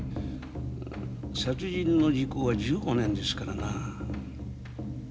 殺人の時効は１５年ですからな。